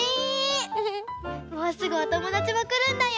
もうすぐおともだちもくるんだよ。